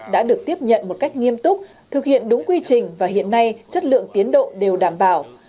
đã được tiếp nhận một cách nghiêm túc thực hiện đúng quy trình và hiện nay chất lượng tiến độ đều đảm bảo